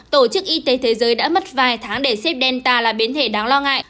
tổ chức y tế thế giới đã mất vài tháng để xếp delta là biến thể đáng lo ngại